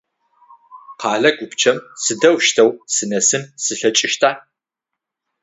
Къэлэ гупчэм сыдэущтэу сынэсын слъэкӏыщта?